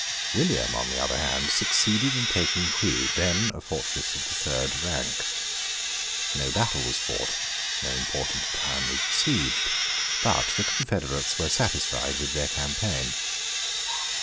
William on the other hand succeeded in taking Huy, then a fortress of the third rank. No battle was fought; no important town was besieged; but the confederates were satisfied with their campaign.